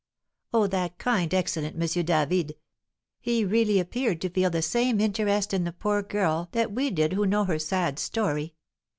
"Oh, that kind, excellent M. David! He really appeared to feel the same interest in the poor girl that we did who know her sad story.